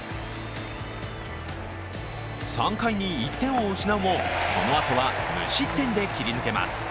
３回に１点を失うもそのあとは無失点で切り抜けます。